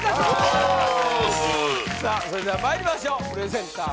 それではまいりましょうプレゼンター